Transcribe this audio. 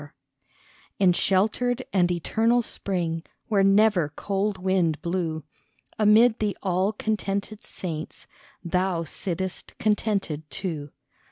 88 SHELTERED In sheltered and eternal spring, Where never cold wind blew, Amid the all contented saints, Thou sittest, contented too.